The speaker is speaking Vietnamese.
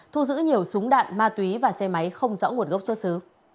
thu giữ nhiều súng đạn ma túy và xe máy không rõ nguồn gốc xuất xứ